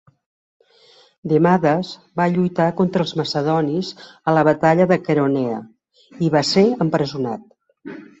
Demades va lluitar contra els macedonis a la batalla de Queronea, i va ser empresonat.